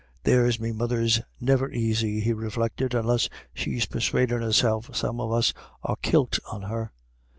"There's me mother's never aisy," he reflected, "unless she's persuadin' herself some of us are kilt on her."